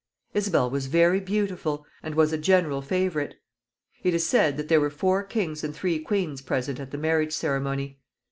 Isabel was very beautiful, and was a general favorite. It is said that there were four kings and three queens present at the marriage ceremony.